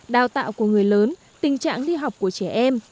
đào tạo của người lớn tình trạng đi học của trẻ em